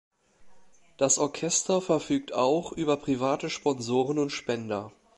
Das Orchester verfügt auch über private Sponsoren und Spender.